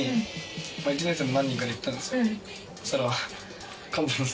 そしたら。